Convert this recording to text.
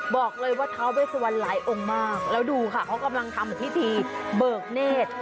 บอกเลยว่าท้าเวสวันหลายองค์มากแล้วดูค่ะเขากำลังทำพิธีเบิกเนธ